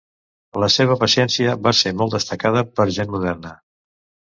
La seva paciència va ser molt destacada per gent moderna.